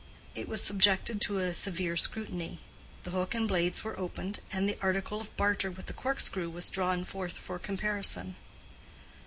It was subjected to a severe scrutiny, the hook and blades were opened, and the article of barter with the cork screw was drawn forth for comparison.